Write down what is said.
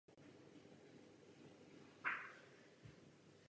Vítězové skupin postupují do semifinále.